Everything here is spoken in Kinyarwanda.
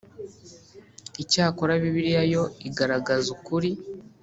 Icyakora Bibiliya yo igaragaza ukuri